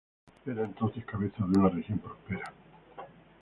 Era entonces cabeza de una región próspera.